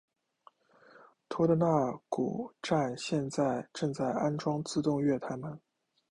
托特纳姆谷站现在正在安装自动月台门。